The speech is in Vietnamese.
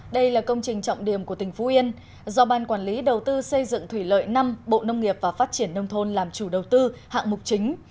đây là công trình trọng điểm của tỉnh phú yên do ban quản lý đầu tư xây dựng thủy lợi năm bộ nông nghiệp và phát triển nông thôn làm chủ đầu tư hạng mục chính